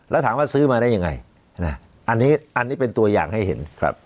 แล้วถามว่าซื้อมาได้ยังไงอันนี้อันนี้เป็นตัวอย่างให้เห็นครับ